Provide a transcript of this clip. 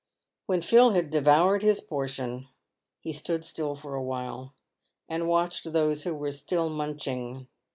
When Phil had devoured his portion, he stood still for a while, and watched those who were still munching.